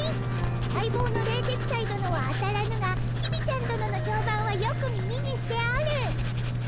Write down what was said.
相棒の冷徹斎殿は当たらぬが公ちゃん殿の評判はよく耳にしておる！